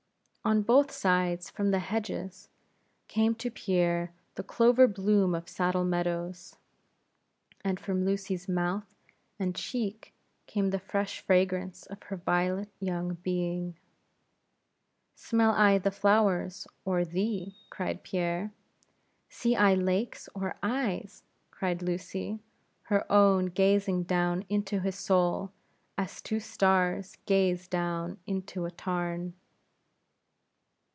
On both sides, from the hedges, came to Pierre the clover bloom of Saddle Meadows, and from Lucy's mouth and cheek came the fresh fragrance of her violet young being. "Smell I the flowers, or thee?" cried Pierre. "See I lakes, or eyes?" cried Lucy, her own gazing down into his soul, as two stars gaze down into a tarn.